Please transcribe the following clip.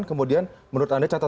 kemudian menurut anda catatan